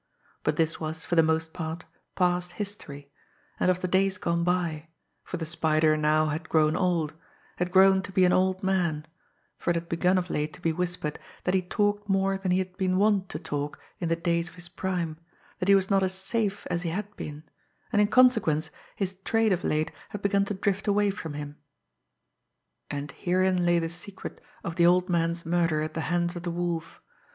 But this was, for the most part, past history, and of the days gone by, for the Spider now had grown old had grown to be an old man for it had begun of late to be whispered that he talked more than he had been wont to talk in the days of his prime, that he was not as safe as he had been, and in consequence his trade of late had begun to drift away from him. And herein lay the secret of the old man's murder at the hands of the Wolf.